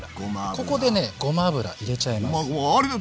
ここでねごま油入れちゃいます。